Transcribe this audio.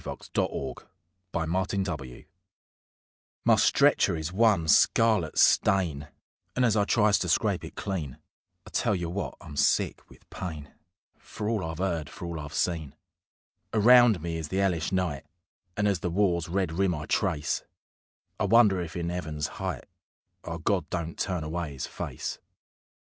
The Stretcher Bearer My stretcher is one scarlet stain, And as I tries to scrape it clean, I tell you wot I'm sick with pain For all I've 'eard, for all I've seen; Around me is the 'ellish night, And as the war's red rim I trace, I wonder if in 'Eaven's height, Our God don't turn away 'Is Face.